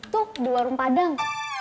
tuh di warung padang